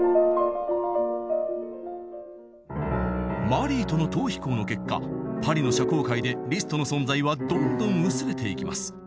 マリーとの逃避行の結果パリの社交界でリストの存在はどんどん薄れていきます。